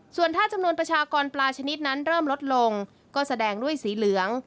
ส่วนถ้าจำนวนประชากรปลาชนิดนั้นเริ่มลดลงก็แสดงด้วยสีเหลือง